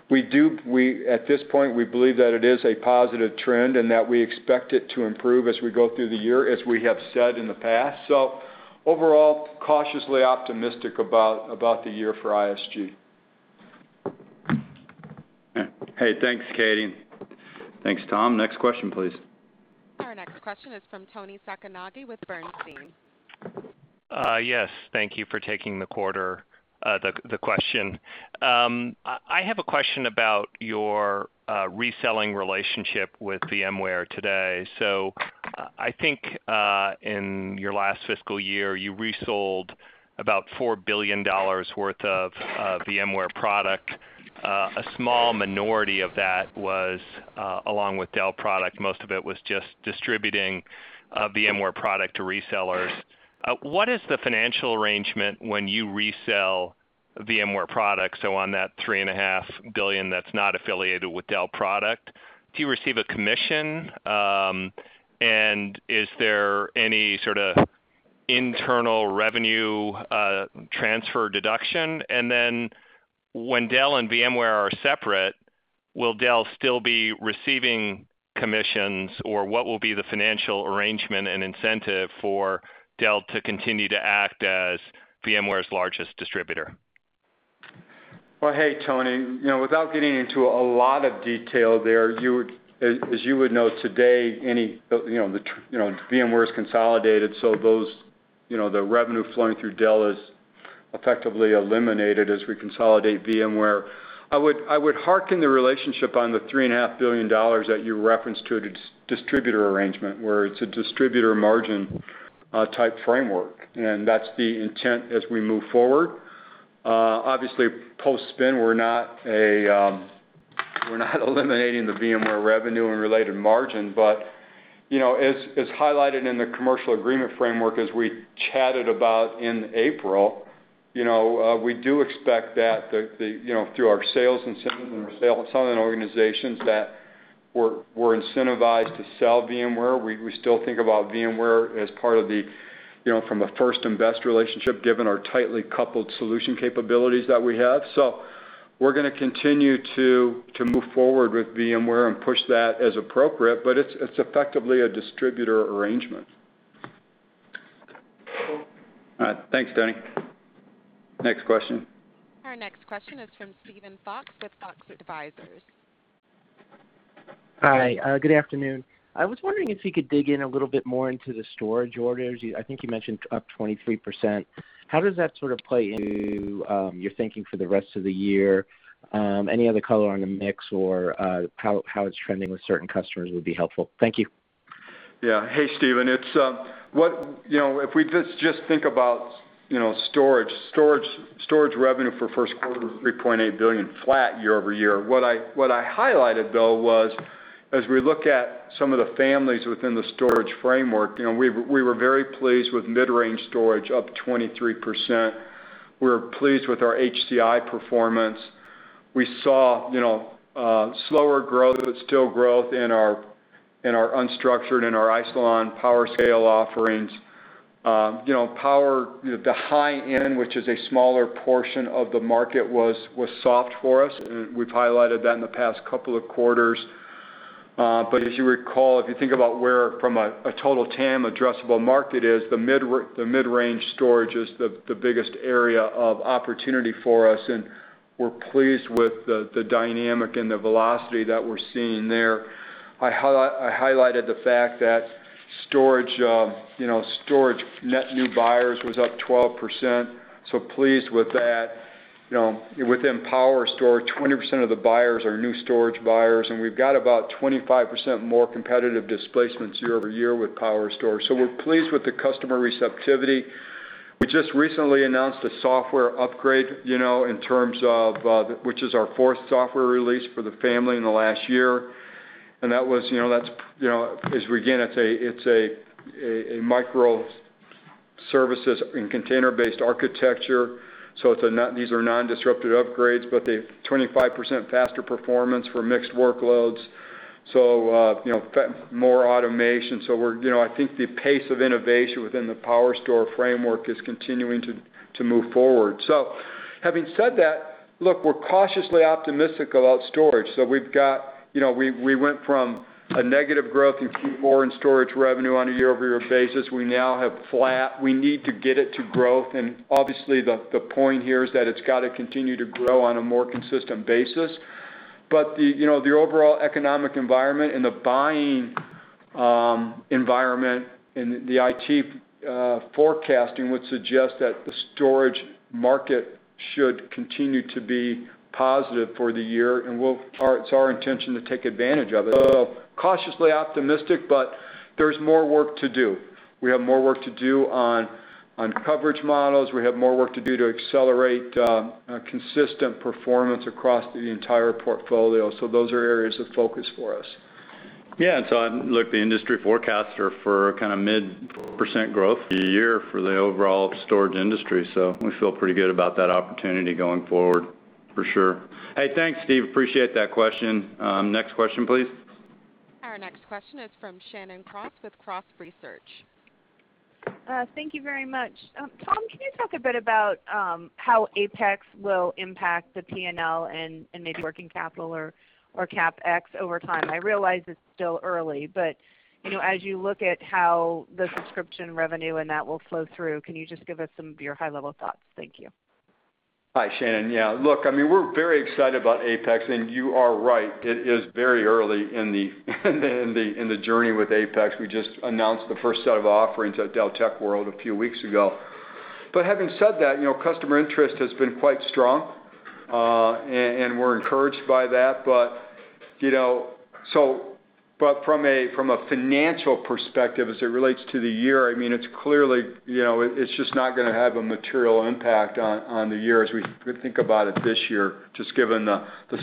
At this point, we believe that it is a positive trend and that we expect it to improve as we go through the year, as we have said in the past. Overall, cautiously optimistic about the year for ISG. Hey, thanks, Katy. Thanks, Tom. Next question, please. Our next question is from Toni Sacconaghi with Bernstein. Yes. Thank you for taking the question. I have a question about your reselling relationship with VMware today. I think, in your last fiscal year, you resold about $4 billion worth of VMware product. A small minority of that was along with Dell product. Most of it was just distributing VMware product to resellers. What is the financial arrangement when you resell VMware product? On that $3.5 billion that's not affiliated with Dell product, do you receive a commission? Is there any sort of internal revenue transfer deduction? When Dell and VMware are separate, will Dell still be receiving commissions, or what will be the financial arrangement and incentive for Dell to continue to act as VMware's largest distributor? Well, hey, Toni. Without getting into a lot of detail there, as you would know today, VMware is consolidated, so the revenue flowing through Dell is effectively eliminated as we consolidate VMware. I would harken the relationship on the $3.5 billion that you referenced to a distributor arrangement, where it's a distributor margin type framework, and that's the intent as we move forward. Obviously, post-spin, we're not eliminating the VMware revenue and related margin, but as highlighted in the commercial agreement framework as we chatted about in April, we do expect that through our sales incentive and our sales organization that we're incentivized to sell VMware. We still think about VMware as part of the first invest relationship, given our tightly coupled solution capabilities that we have. We're going to continue to move forward with VMware and push that as appropriate, but it's effectively a distributor arrangement. All right. Thanks, Toni. Next question. Our next question is from Steven Fox with Fox Advisors. Hi, good afternoon. I was wondering if you could dig in a little bit more into the storage orders. I think you mentioned up 23%. How does that sort of play into your thinking for the rest of the year? Any other color on the mix or how it's trending with certain customers would be helpful. Thank you. Yeah. Hey, Steven. If we just think about storage revenue for Q1 was $3.8 billion flat year-over-year. What I highlighted, though, was as we look at some of the families within the storage framework, we were very pleased with mid-range storage up 23%. We were pleased with our HCI performance. We saw slower growth, but still growth in our unstructured, in our Isilon PowerScale offerings. Power, the high end, which is a smaller portion of the market, was soft for us, and we've highlighted that in the past couple of quarters. As you recall, if you think about where from a total TAM addressable market is, the mid-range storage is the biggest area of opportunity for us, and we're pleased with the dynamic and the velocity that we're seeing there. I highlighted the fact that storage net new buyers was up 12%, so pleased with that. Within PowerStore, 20% of the buyers are new storage buyers, and we've got about 25% more competitive displacements year-over-year with PowerStore. We're pleased with the customer receptivity. We just recently announced a software upgrade, which is our fourth software release for the family in the last year. Again, it's a microservices and container-based architecture, so these are non-disruptive upgrades, but they're 25% faster performance for mixed workloads, so more automation. I think the pace of innovation within the PowerStore framework is continuing to move forward. Having said that, look, we're cautiously optimistic about storage. We went from a negative growth in Q4 in storage revenue on a year-over-year basis. We now have flat. We need to get it to growth, and obviously, the point here is that it's got to continue to grow on a more consistent basis. The overall economic environment and the buying environment and the IT forecasting would suggest that the storage market should continue to be positive for the year, and it's our intention to take advantage of it. Cautiously optimistic, but there's more work to do. We have more work to do on coverage models. We have more work to do to accelerate consistent performance across the entire portfolio. Those are areas of focus for us. Yeah. Look, the industry forecasts are for mid % growth year-for-the overall storage industry. We feel pretty good about that opportunity going forward for sure. Hey, thanks, Steven. Appreciate that question. Next question, please. Our next question is from Shannon Cross with Cross Research. Thank you very much. Tom, can you talk a bit about how APEX will impact the P&L and maybe working capital or CapEx over time? I realize it's still early, as you look at how the subscription revenue and that will flow through, can you just give us some of your high-level thoughts? Thank you. Hi, Shannon. Yeah, look, we're very excited about APEX, and you are right, it is very early in the journey with APEX. We just announced the first set of offerings at Dell Tech World a few weeks ago. Having said that, customer interest has been quite strong, and we're encouraged by that. From a financial perspective as it relates to the year, it's just not going to have a material impact on the year as we think about it this year, just given the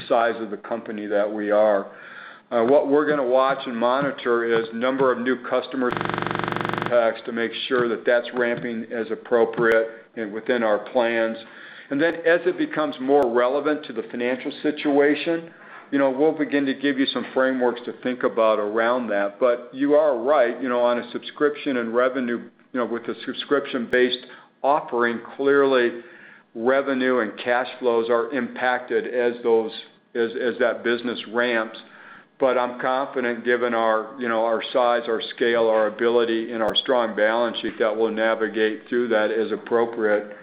size of the company that we are. What we're going to watch and monitor is number of new customers to APEX to make sure that that's ramping as appropriate and within our plans. As it becomes more relevant to the financial situation, we'll begin to give you some frameworks to think about around that. You are right, with a subscription-based offering, clearly revenue and cash flows are impacted as that business ramps. I'm confident given our size, our scale, our ability, and our strong balance sheet, that we'll navigate through that as appropriate.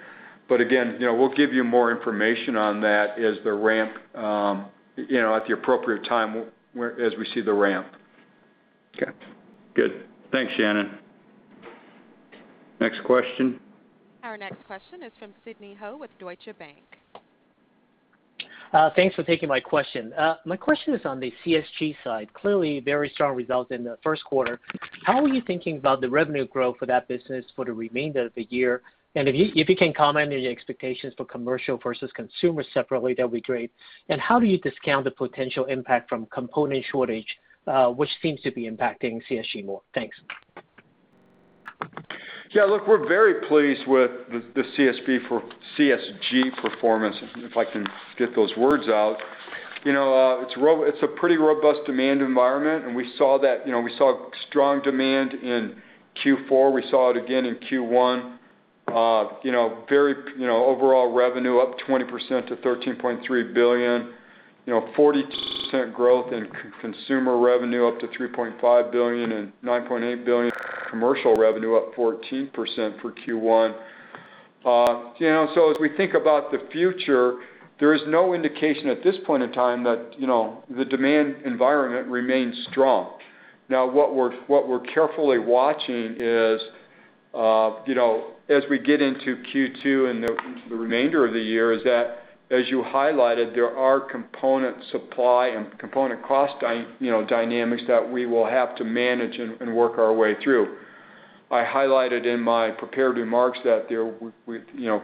Again, we'll give you more information on that at the appropriate time as we see the ramp. Okay, good. Thanks, Shannon. Next question. Our next question is from Sidney Ho with Deutsche Bank. Thanks for taking my question. My question is on the CSG side. Clearly very strong results in the Q1. How are you thinking about the revenue growth for that business for the remainder of the year? If you can comment on your expectations for commercial versus consumer separately, that'd be great. How do you discount the potential impact from component shortage, which seems to be impacting CSG more? Thanks. We're very pleased with the CSG performance, if I can get those words out. It's a pretty robust demand environment. We saw strong demand in Q4. We saw it again in Q1. Overall revenue up 20% to $13.3 billion. 42% growth in consumer revenue up to $3.5 billion, $9.8 billion commercial revenue up 14% for Q1. As we think about the future, there is no indication at this point in time that the demand environment remains strong. What we're carefully watching is, as we get into Q2 and into the remainder of the year, is that as you highlighted, there are component supply and component cost dynamics that we will have to manage and work our way through. I highlighted in my prepared remarks that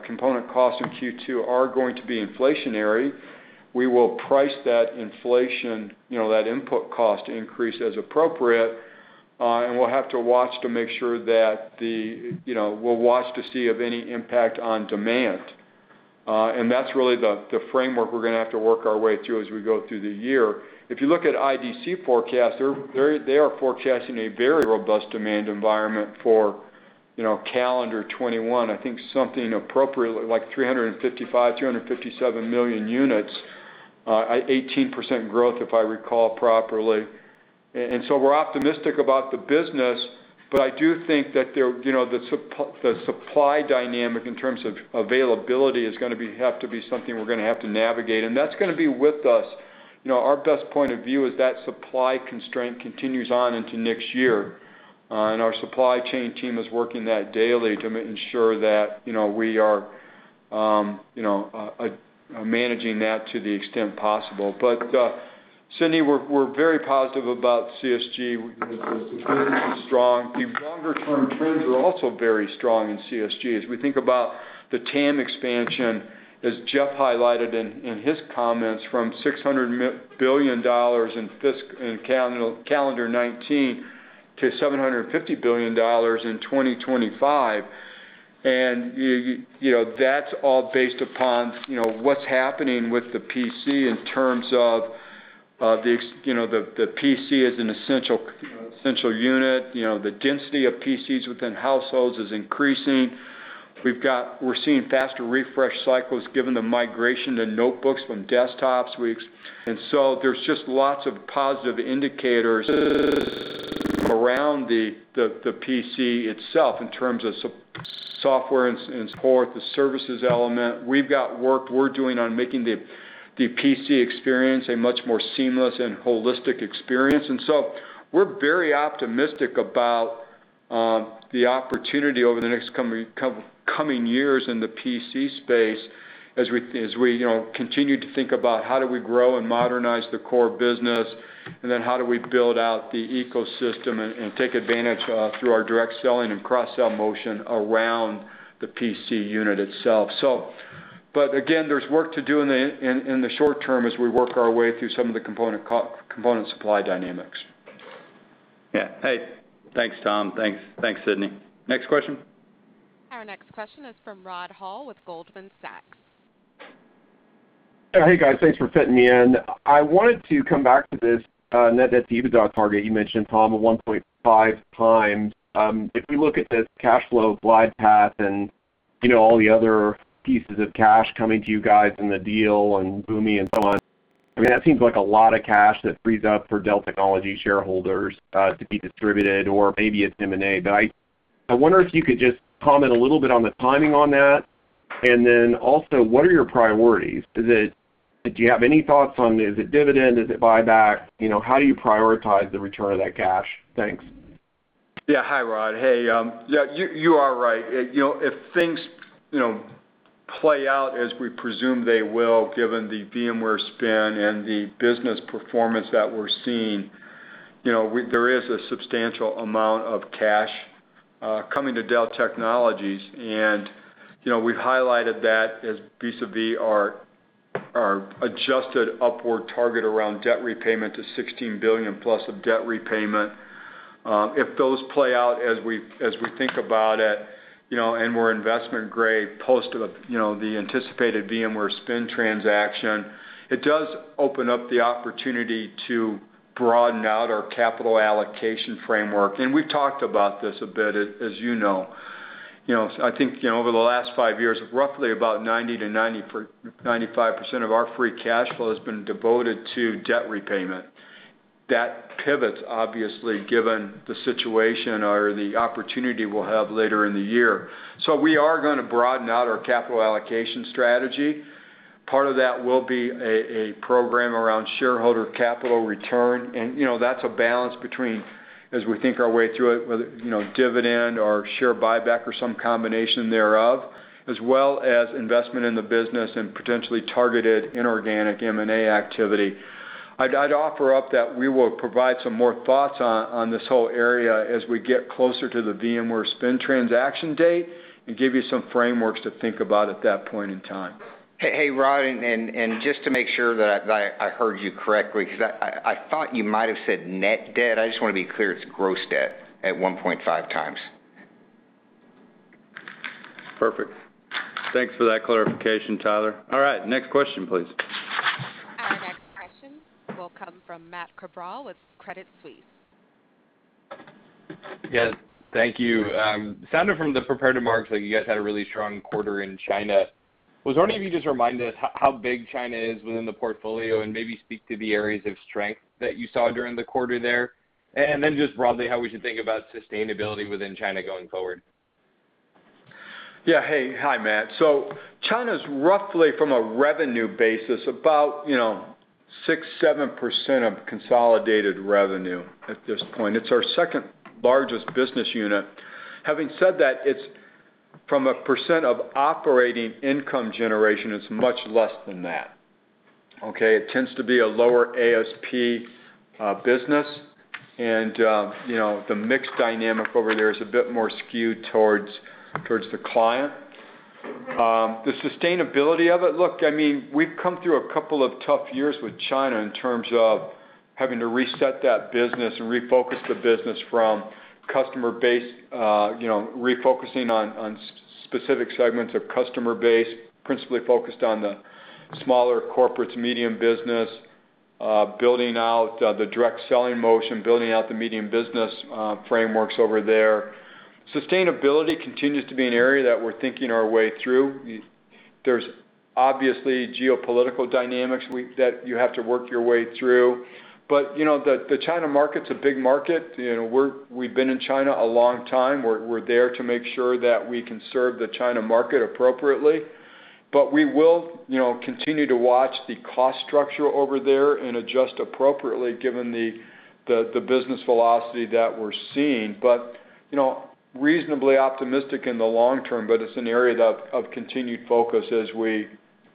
component costs in Q2 are going to be inflationary. We will price that inflation, that input cost increase as appropriate, and we'll have to watch to see of any impact on demand. That's really the framework we're going to have to work our way through as we go through the year. If you look at IDC forecast, they are forecasting a very robust demand environment for Calendar 2021, I think something appropriate like 355, 257 million units, 18% growth if I recall properly. We're optimistic about the business. I do think that the supply dynamic in terms of availability is going to have to be something we're going to have to navigate. That's going to be with us. Our best point of view is that supply constraint continues on into next year. Our supply chain team is working that daily to ensure that we are managing that to the extent possible. Sidney, we're very positive about CSG. The trends are strong. The longer-term trends are also very strong in CSG as we think about the TAM expansion, as Jeff highlighted in his comments, from $600 billion in calendar 2019 to $750 billion in 2025. That's all based upon what's happening with the PC in terms of the PC as an essential unit. The density of PCs within households is increasing. We're seeing faster refresh cycles given the migration to notebooks from desktops. There's just lots of positive indicators around the PC itself in terms of software and support, the services element. We've got work we're doing on making the PC experience a much more seamless and holistic experience. We're very optimistic about the opportunity over the next coming years in the PC space as we continue to think about how do we grow and modernize the core business, and then how do we build out the ecosystem and take advantage through our direct selling and cross-sell motion around the PC unit itself. Again, there's work to do in the short term as we work our way through some of the component supply dynamics. Yeah. Hey, thanks, Tom. Thanks, Sidney. Next question. Our next question is from Rod Hall with Goldman Sachs. Hey, guys. Thanks for fitting me in. I wanted to come back to this net debt to EBITDA target you mentioned, Tom, the 1.5 times. If we look at the cash flow glide path and all the other pieces of cash coming to you guys in the deal and Boomi and so on, that seems like a lot of cash that frees up for Dell Technologies shareholders to be distributed or maybe it's M&A. I wonder if you could just comment a little bit on the timing on that. Also, what are your priorities? Do you have any thoughts on, is it dividend? Is it buyback? How do you prioritize the return of that cash? Thanks. Yeah. Hi, Rod. Hey, you are right. If things play out as we presume they will, given the VMware spin and the business performance that we're seeing, there is a substantial amount of cash coming to Dell Technologies. We've highlighted that vis-à-vis our adjusted upward target around debt repayment to $16 billion plus of debt repayment. If those play out as we think about it, and we're investment grade post the anticipated VMware spin transaction, it does open up the opportunity to broaden out our capital allocation framework. We talked about this a bit, as you know. I think over the last five years, roughly about 90%-95% of our free cash flow has been devoted to debt repayment. That pivots, obviously, given the situation or the opportunity we'll have later in the year. We are going to broaden out our capital allocation strategy. Part of that will be a program around shareholder capital return. That's a balance between, as we think our way through it, whether dividend or share buyback or some combination thereof, as well as investment in the business and potentially targeted inorganic M&A activity. I'd offer up that we will provide some more thoughts on this whole area as we get closer to the VMware spin transaction date and give you some frameworks to think about at that point in time. Hey, Rod, just to make sure that I heard you correctly, because I thought you might have said net debt. I just want to be clear it's gross debt at 1.5 times. Perfect. Thanks for that clarification, Tyler. All right, next question, please. Our next question will come from Matthew Cabral with Credit Suisse. Yes, thank you. It sounded from the prepared remarks that you guys had a really strong quarter in China. I was wondering if you could just remind us how big China is within the portfolio and maybe speak to the areas of strength that you saw during the quarter there. Just broadly, how we should think about sustainability within China going forward. Yeah. Hey. Hi, Matt. China's roughly from a revenue basis, about 6%-7% of consolidated revenue at this point. It's our second largest business unit. Having said that, from a percent of operating income generation, it's much less than that. Okay. It tends to be a lower ASP business. The mix dynamic over there is a bit more skewed towards the client. The sustainability of it. Look, we've come through a couple of tough years with China in terms of having to reset that business and refocus the business from customer base, refocusing on specific segments of customer base, principally focused on the smaller corporates, medium business, building out the direct selling motion, building out the medium business frameworks over there. Sustainability continues to be an area that we're thinking our way through. There's obviously geopolitical dynamics that you have to work your way through. The China market's a big market. We've been in China a long time. We're there to make sure that we can serve the China market appropriately. We will continue to watch the cost structure over there and adjust appropriately given the business velocity that we're seeing. Reasonably optimistic in the long term, but it's an area of continued focus as we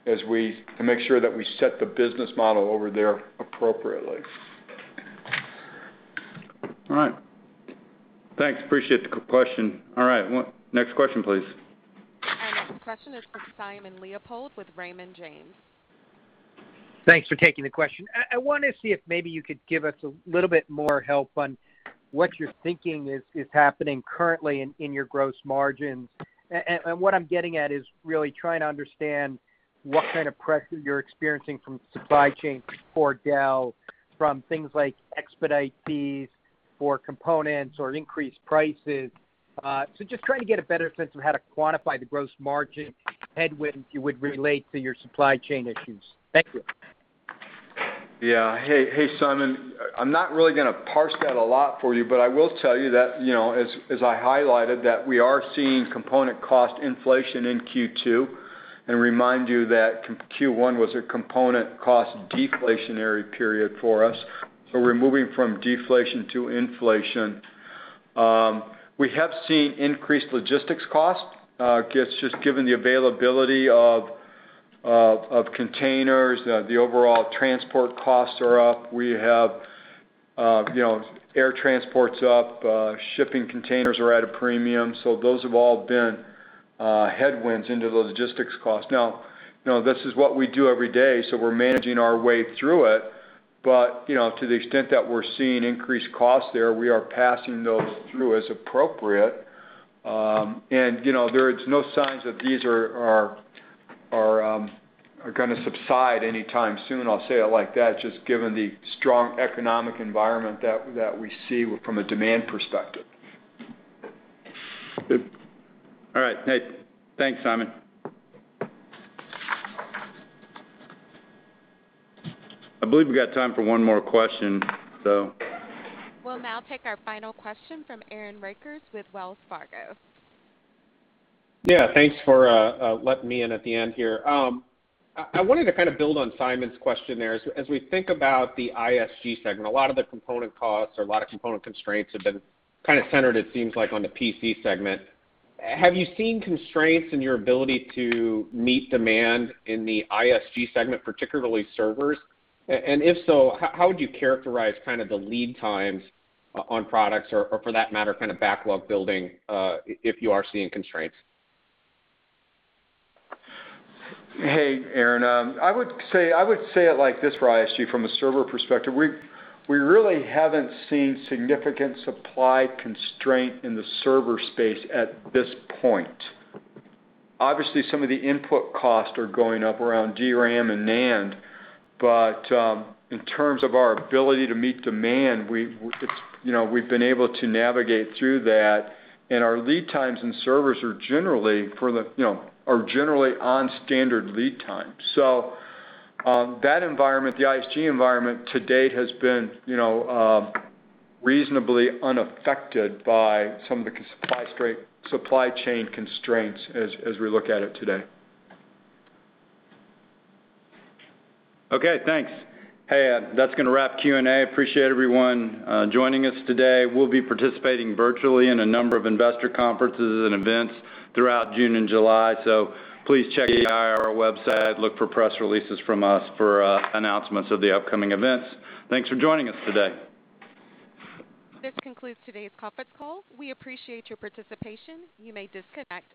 make sure that we set the business model over there appropriately. All right. Thanks, appreciate the question. All right, next question, please. Our next question is from Simon Leopold with Raymond James. Thanks for taking the question. I wanted to see if maybe you could give us a little bit more help on what you're thinking is happening currently in your gross margins. What I'm getting at is really trying to understand what kind of pressure you're experiencing from supply chain for Dell, from things like expedite fees for components or increased prices. Just trying to get a better sense of how to quantify the gross margin headwinds you would relate to your supply chain issues. Thank you. Yeah. Hey, Simon. I'm not really going to parse that a lot for you, but I will tell you that, as I highlighted, that we are seeing component cost inflation in Q2, and remind you that Q1 was a component cost deflationary period for us. We're moving from deflation to inflation. We have seen increased logistics cost, just given the availability of containers. The overall transport costs are up. We have air transport's up. Shipping containers are at a premium. Those have all been headwinds into the logistics cost. This is what we do every day, so we're managing our way through it. To the extent that we're seeing increased costs there, we are passing those through as appropriate. There's no signs that these are going to subside anytime soon, I'll say it like that, just given the strong economic environment that we see from a demand perspective. Good. All right, thanks, Simon. I believe we got time for one more question. We'll now take our final question from Aaron Rakers with Wells Fargo. Yeah, thanks for letting me in at the end here. I wanted to build on Simon's question there. As we think about the ISG segment, a lot of the component costs or a lot of component constraints have been centered, it seems like, on the PC segment. Have you seen constraints in your ability to meet demand in the ISG segment, particularly servers? If so, how would you characterize the lead times on products or for that matter, backlog building, if you are seeing constraints? Hey, Aaron. I would say it like this for ISG from the server perspective. We really haven't seen significant supply constraint in the server space at this point. Obviously, some of the input costs are going up around DRAM and NAND. In terms of our ability to meet demand, we've been able to navigate through that, and our lead times in servers are generally on standard lead time. That environment, the ISG environment to date has been reasonably unaffected by some of the supply chain constraints as we look at it today. Okay, thanks. Hey, that's going to wrap Q&A. Appreciate everyone joining us today. We'll be participating virtually in a number of investor conferences and events throughout June and July, so please check the IR website, look for press releases from us for announcements of the upcoming events. Thanks for joining us today. This concludes today's conference call. We appreciate your participation. You may disconnect.